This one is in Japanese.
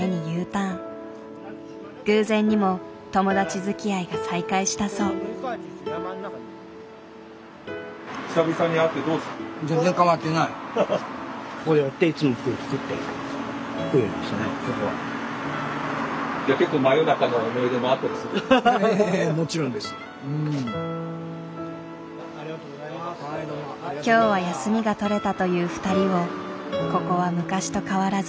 今日は休みが取れたという２人をここは昔と変わらず迎え入れてくれた。